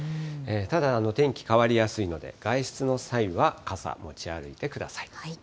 ただ、天気変わりやすいので、外出の際は傘、持ち歩いてください。